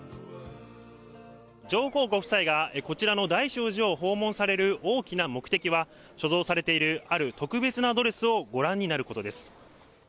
上皇ご夫妻がこちらの大聖寺を訪問される大きな目的は、所蔵されているある特別なドレスをご覧になることです。